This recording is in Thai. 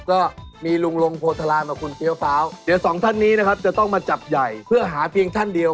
ก็มีลูงลงโพธารามกับคุณซี่แล้วเฟ้าเดี๋ยวสองท่านนี้นะครับจะต้องมาจับใหญ่